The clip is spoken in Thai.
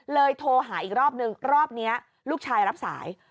โทรหาอีกรอบนึงรอบนี้ลูกชายรับสาย